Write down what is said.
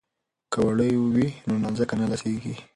که وړۍ وي نو نانځکه نه لڅیږي.